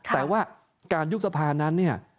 แต่ว่าการยุบสภานั้นเนี่ย